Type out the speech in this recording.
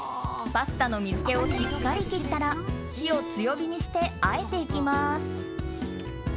パスタの水気をしっかり切ったら火を強火にしてあえていきます。